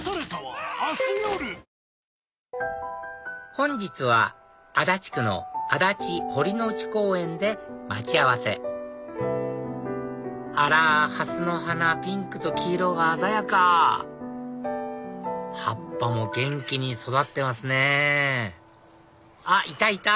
本日は足立区の足立堀之内公園で待ち合わせあらハスの花ピンクと黄色が鮮やか葉っぱも元気に育ってますねあっいたいた！